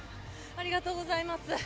ありがとうございます。